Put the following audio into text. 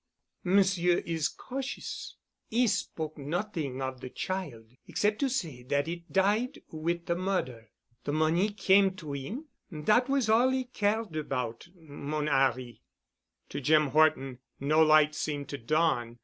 "Monsieur is cautious. 'E spoke not'ing of de child, except to say dat it died wit' de mother. De money came to 'im. Dat was all 'e cared about, mon 'Arry." To Jim Horton no light seemed to dawn.